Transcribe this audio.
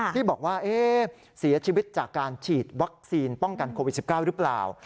ที่บอกว่าเสียชีวิตจากการฉีดวัคซีนป้องกันโควิด๑๙หรือเปล่า